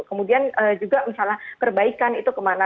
kemudian juga misalnya perbaikan itu kemana